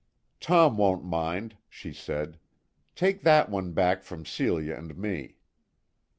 "Tom won't mind," she said. "Take that one back from Celia and me."